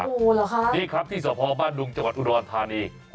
โอ้โหเหรอคะนี่ครับที่สพบ้านดุงจังหวัดอุดรธานี